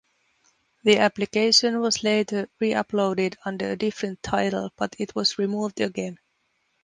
The application was later re-uploaded under a different title, but it was removed again.